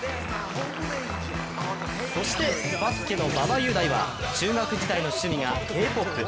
そしてバスケの馬場雄大は中学時代の趣味がＫ−ＰＯＰ。